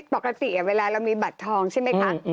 ปกติเวลาเรามีบัตรทองใช่ไหมคะ